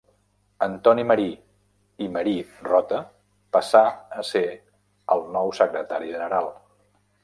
Antoni Marí i Marí Rota, passà a ser el nou secretari general.